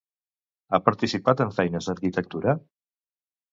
Ha participat en feines d'arquitectura?